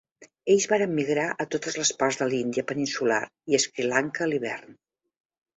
Ells varen migrar a totes les parts de l'Índia peninsular i Sri Lanka a l'hivern.